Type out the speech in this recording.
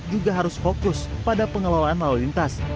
juga harus fokus pada pengelolaan lalu lintas